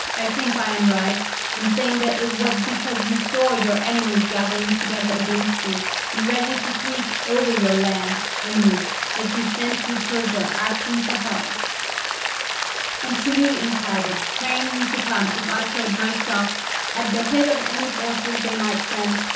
I think I am right in saying that it was because you saw your enemies gathering together against you, and ready to sweep over your land and you, that you sent to Persia asking for help, and to me in private, praying me to come, if I could, myself, at the head of any forces they might send.